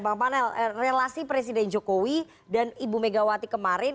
bang panel relasi presiden jokowi dan ibu megawati kemarin